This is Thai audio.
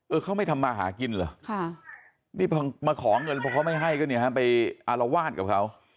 เขาไม่ทำมาหากินเหรอนี่พอมาขอเงินเพราะเขาไม่ให้ก็เนี่ยฮะไปอารวาสกับเขา